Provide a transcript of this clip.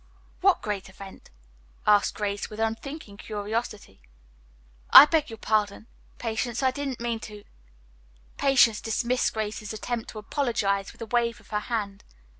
"What great event?" asked Grace with unthinking curiosity. "I beg your pardon, Patience, I didn't mean to " Patience dismissed Grace's attempt to apologize with a wave of her hand.